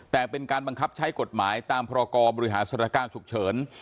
แต่เป็นการบังคับใช้กฎหมายตามพรกรบริหารสถานการณ์ฉุกเฉิน